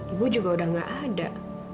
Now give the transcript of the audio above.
ibu juga udah gak ada